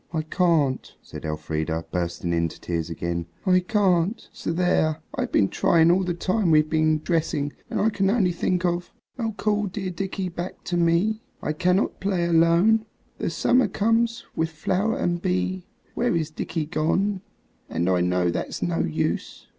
"I can't," said Elfrida, bursting into tears again; "I can't! So there. I've been trying all the time we've been dressing, and I can only think of "Oh, call dear Dickie back to me, I cannot play alone; The summer comes with flower and bee, Where is dear Dickie gone? And I know that's no use."